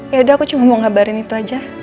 ya udah aku cuma mau ngabarin itu aja